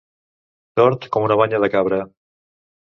Tort com una banya de cabra.